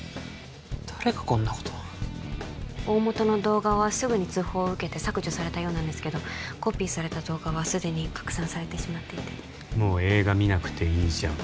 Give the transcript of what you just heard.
誰がこんなこと大本の動画はすぐに通報を受けて削除されたようなんですけどコピーされた動画はすでに拡散されてしまっていて「もう映画見なくていいじゃん」